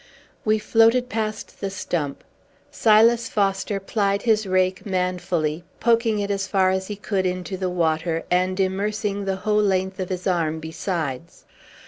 We floated past the stump. Silas Foster plied his rake manfully, poking it as far as he could into the water, and immersing the whole length of his arm besides.